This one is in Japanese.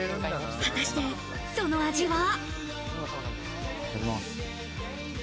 果たして、その味は。